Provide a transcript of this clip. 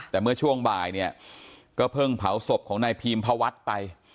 แต่เมื่อช่วงบ่ายเนี่ยก็เพิ่งเผาศพของนายพีมพวัฒน์ไป